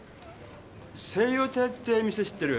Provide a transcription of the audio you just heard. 西洋亭って店知ってる？